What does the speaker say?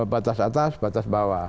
batas atas batas bawah